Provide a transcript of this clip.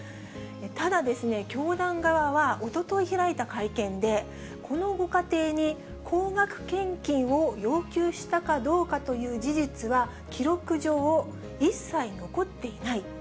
ただ、教団側はおととい開いた会見で、このご家庭に高額献金を要求したかどうかという事実は記録上、一切残っていない。